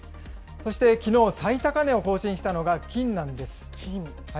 そしてきのう、最高値を更新したのが金なんです。